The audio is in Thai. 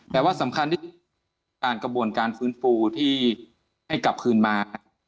แต่ว่าสำคัญที่อ่านกระบวนการฟื้นฟูที่ให้กลับคืนมา